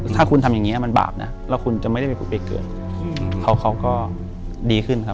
ถ้าคุณทำอย่างนี้มันบาปนะแล้วคุณจะไม่ได้ไปเกิดเขาก็ดีขึ้นครับ